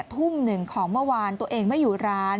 ทุ่มหนึ่งของเมื่อวานตัวเองไม่อยู่ร้าน